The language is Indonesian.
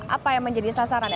apa yang menjadi sasaran